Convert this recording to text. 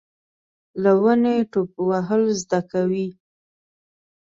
له ونې ټوپ وهل زده کوي .